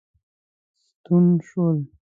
ستون شول.